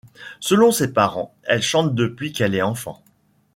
Selon ses parents, elle chante depuis qu'elle est enfant.